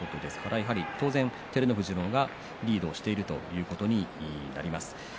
当然、照ノ富士の方がリードをしているということになります。